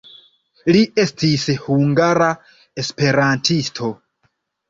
Li estis hungara esperantisto.